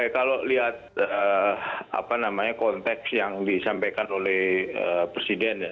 kalau lihat konteks yang disampaikan oleh presiden ya